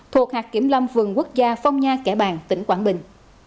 thuộc hạt kiểm lâm vườn quốc gia phong nha kẻ bàng tỉnh quảng bình